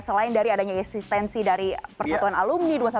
selain dari adanya eksistensi dari persatuan alumni dua ratus dua